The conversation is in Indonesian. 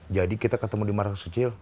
jadi kita ketemu di marangkecil